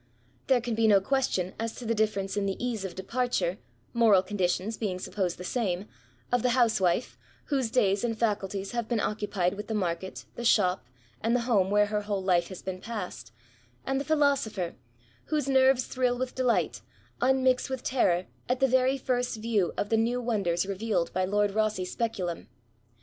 There can be no question as to the difference in the ease of departure (moral conditions being supposed the same) of the housewife, whose days and faculties haye been occupied with the market, the shop, and the home where her whole life has been passed, and the philoso pher, whose neryes thrill with delight, unnuxed with terror, at the yery first yiew of the new wonders reyealed by Lord Bosse's speculum.